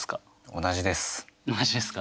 同じですか。